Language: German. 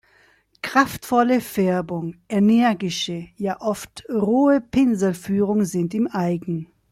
Kraftvolle Färbung, energische, ja oft rohe Pinselführung sind ihm eigen.